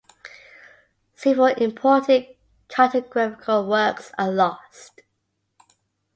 Several important cartographical works are lost.